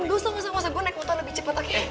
nggak usah ngusah ngusah gue naik motor lebih cepet oke